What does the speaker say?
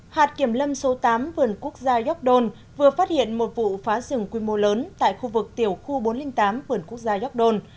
hạt kiểm lâm số tám vườn quốc gia gióc đôn vừa phát hiện một vụ phá rừng quy mô lớn tại khu vực tiểu khu bốn trăm linh tám vườn quốc gia gióc đôn